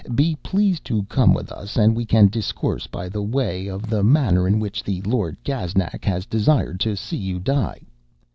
Be pleased to come with us, and we can discourse by the way of the manner in which the Lord Gaznak has desired to see you die.'